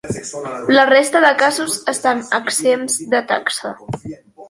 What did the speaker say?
La resta de casos estan exempts de taxa.